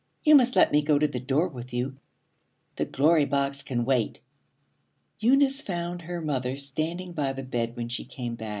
You must let me go to the door with you. The Glory Box can wait.' Eunice found her mother standing by the bed when she came back.